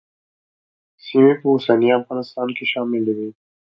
سیمې په اوسني افغانستان کې شاملې وې.